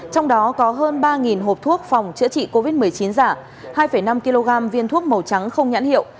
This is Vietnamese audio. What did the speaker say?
trong đó có hơn ba hộp thuốc phòng chữa trị covid một mươi chín giả hai năm kg viên thuốc màu trắng không nhãn hiệu